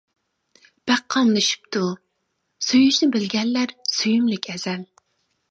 بەك قاملىشىپتۇ؟ سۆيۈشنى بىلگەنلەر سۆيۈملۈك ئەزەل.